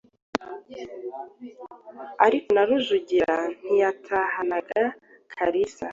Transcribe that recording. Ariko na Rujugira ntiyatahana Kalira,